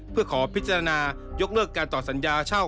เพื่อขอพิจารณายกเลิกการต่อสัญญาเช่า